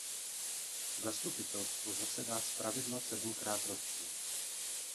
Zastupitelstvo zasedá zpravidla sedmkrát ročně.